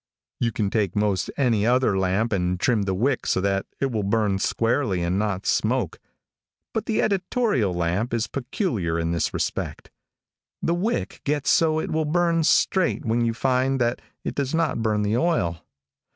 You can take most any other lamp and trim the wick so that it will burn squarely and not smoke; but the editorial lamp is peculiar in this respect. The wick gets so it will burn straight when you find that it does not burn the oil.